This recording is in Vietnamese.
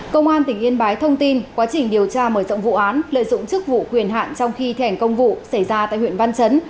công an tỉnh yên bái thông tin quá trình điều tra mở rộng vụ án lợi dụng chức vụ quyền hạn trong khi thi hành công vụ xảy ra tại huyện văn chấn